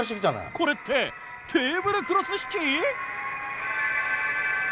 これってテーブルクロス引き！？